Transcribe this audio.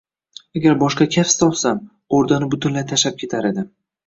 Agar boshqa kasb topsam, o’rdani butunlay tashlab ketar edim.